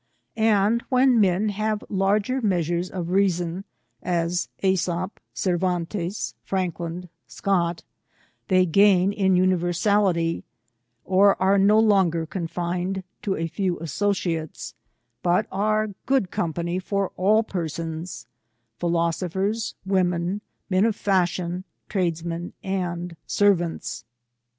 And when men have larger measures of reason, as ^sop, Cer vantes, Franklin, Scott, they gain in universality, or are no longer confined to a few associates, but are good company for all persons, — philosophers, women, men of fashion, tradesmen, and servants.